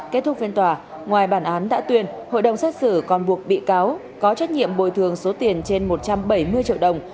kết thúc phiên tòa ngoài bản án đã tuyên hội đồng xét xử còn buộc bị cáo có trách nhiệm bồi thường số tiền trên một trăm bảy mươi triệu đồng